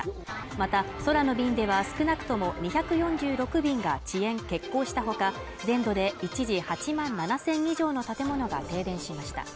また空の便では少なくとも２４６便が遅延欠航したほか全土で一時８万７０００以上の建物が停電しました